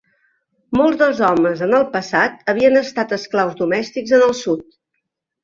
Molts dels homes en el passat havien estat esclaus domèstics en el sud.